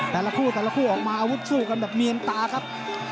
แต่ละคู่แต่ละคู่ออกมาอาวุธสู้กันแบบเนียนตาครับ